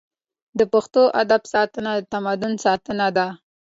د پښتو ادب ساتنه د تمدن ساتنه ده.